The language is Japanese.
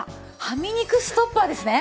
はみ肉ストッパーですね？